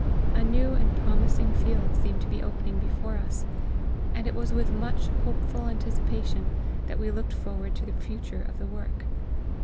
A new and promising field seemed to be opening before us, and it was with much hopeful anticipation that we looked forward to the future of the work.